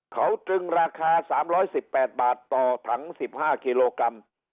เขาตรึงราคา๓๑๘บาทต่อถัง๑๕กิโลกรัม